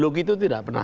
jadi itu adalah peristiwa